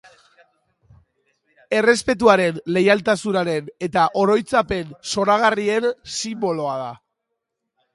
Errespetuaren, leialtasunaren eta oroitzapen zoragarrien sinboloa da.